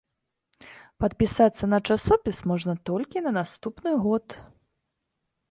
Падпісацца на часопіс можна толькі на наступны год.